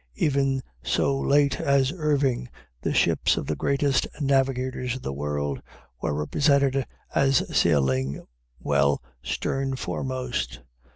Even so late as Irving the ships of the greatest navigators in the world were represented as sailing equally well stern foremost.